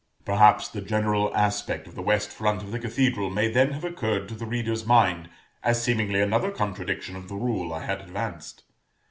Perhaps the general aspect of the west front of the cathedral may then have occurred to the reader's mind, as seemingly another contradiction of the rule I had advanced.